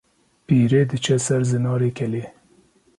Pîrê diçe ser Zinarê Kelê